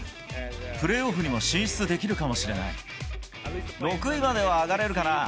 プレーオフにも進出できるかもし６位までは上がれるかな。